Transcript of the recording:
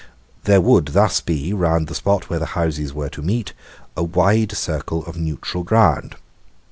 There would thus be, round the spot where the Houses were to meet, a wide circle of neutral ground.